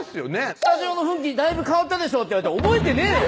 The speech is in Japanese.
「スタジオの雰囲気変わったでしょ」と言われて覚えてねぇよ